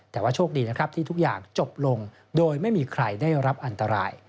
แต่ว่าโชคดีนะครับที่ทุกอย่างจบลงโดยไม่มีใครได้รับอันตราย